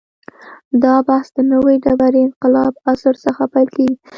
دا بحث د نوې ډبرې انقلاب عصر څخه پیل کېږي.